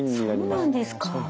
あっそうなんですか。